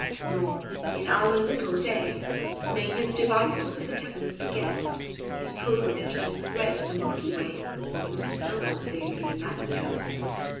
Nor, in our little day, May His devices with the heavens be guessed, His pilgrimage to thread the Milky WayOr His bestowals there be manifest.